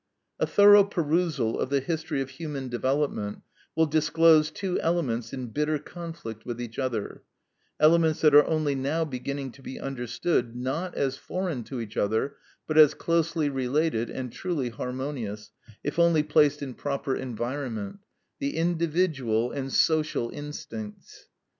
A thorough perusal of the history of human development will disclose two elements in bitter conflict with each other; elements that are only now beginning to be understood, not as foreign to each other, but as closely related and truly harmonious, if only placed in proper environment: the individual and social instincts.